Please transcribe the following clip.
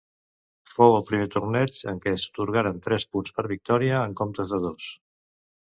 Fou el primer torneig en què s'atorgaren tres punts per victòria en comptes de dos.